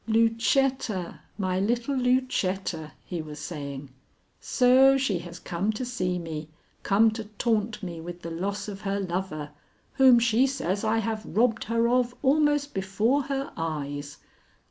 "Lucetta, my little Lucetta," he was saying, "so she has come to see me, come to taunt me with the loss of her lover, whom she says I have robbed her of almost before her eyes!